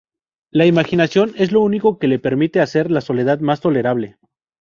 La imaginación es lo único que le permite hacer la soledad más tolerable.